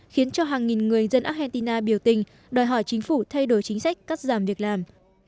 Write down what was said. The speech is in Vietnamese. khiến cho hàng nghìn người dân argentina biểu tình đòi hỏi chính phủ thay đổi chính sách cắt giảm việc làm